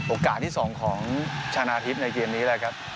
โอกาสที่๒ของชนะทิพย์ในเกมนี้แหละครับ